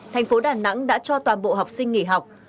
thành phố đà nẵng đã cho toàn bộ học sinh nghỉ học